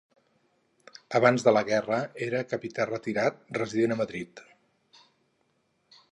Abans de la guerra era capità retirat, resident en Madrid.